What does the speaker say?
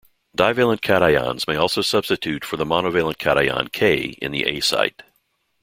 Divalent cations may also substitute for the monovalent cation K in the A site.